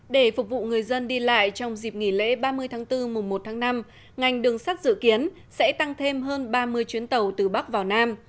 để phục vụ người dân đi lại trong dịp nghỉ lễ ba mươi tháng bốn mùa một tháng năm ngành đường sắt dự kiến sẽ tăng thêm hơn ba mươi chuyến tàu từ bắc vào nam